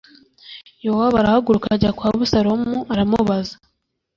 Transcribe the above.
Yowabu arahaguruka ajya kwa Abusalomu aramubaza